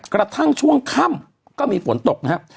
กระทั่งช่วงค่ำก็มีฝนตกนะครับ